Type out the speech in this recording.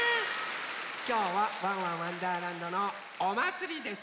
きょうは「ワンワンわんだーらんど」のおまつりです。